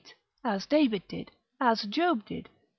8, as David did; as Job did, xx.